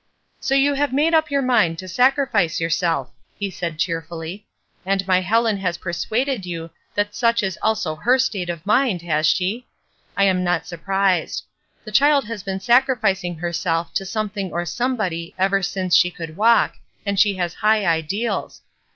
'* So you have made up your mind to sacrifice yourself," he said cheerfully, ''and my Helen has persuaded you that such is also her state of mind, has she? I am not surprised. The child has been sacrificing herself to something or somebody ever since she could walk, and she has high ideals.